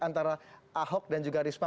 antara ahok dan juga risma